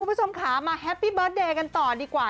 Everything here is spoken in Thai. คุณผู้ชมค่ะมาแฮปปี้เบิร์ตเดย์กันต่อดีกว่า